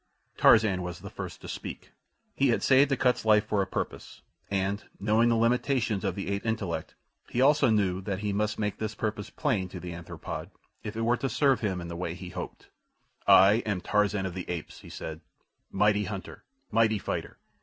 Tarzan was the first to speak. He had saved Akut's life for a purpose, and, knowing the limitations of the ape intellect, he also knew that he must make this purpose plain to the anthropoid if it were to serve him in the way he hoped. "I am Tarzan of the Apes," he said, "Mighty hunter. Mighty fighter.